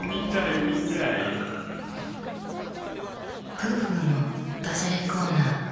「フーフーのダジャレコーナー」。